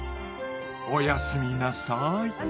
おやすみなさい。